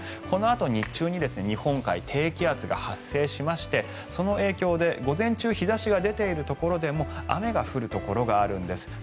このあと日中に日本海、低気圧が発生しましてその影響で午前中日差しが出ているところでも雨が降るところがあるんです。